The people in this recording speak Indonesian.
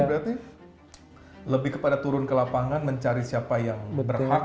berarti lebih kepada turun ke lapangan mencari siapa yang berhak